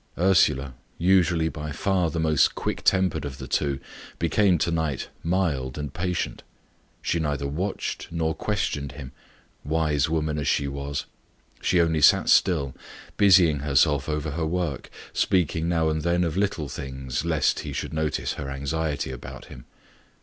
Ursula, usually by far the most quick tempered of the two, became to night mild and patient. She neither watched nor questioned him wise woman as she was; she only sat still, busying herself over her work, speaking now and then of little things, lest he should notice her anxiety about him.